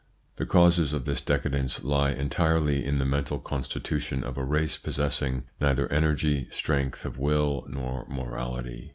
The causes of this decadence lie entirely in the mental constitution of a race possessing neither energy, strength of will, nor morality.